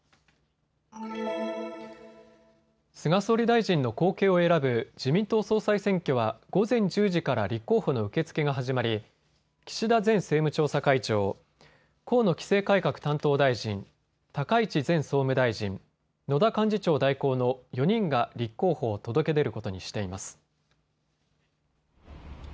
菅総理大臣の後継を選ぶ自民党総裁選挙は午前１０時から立候補の受け付けが始まり岸田前政務調査会長、河野規制改革担当大臣、高市前総務大臣、野田幹事長代行の４人が立候補を届け出ることにしています。